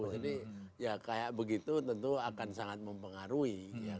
jadi ya kayak begitu tentu akan sangat mempengaruhi